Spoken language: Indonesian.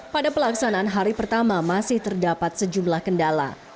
pada pelaksanaan hari pertama masih terdapat sejumlah kendala